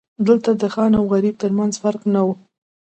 دلته د خان او غریب ترمنځ فرق نه و.